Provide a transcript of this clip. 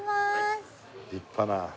立派な。